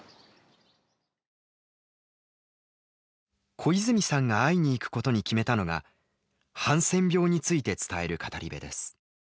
小泉さんが会いに行くことに決めたのがハンセン病について伝える語り部です。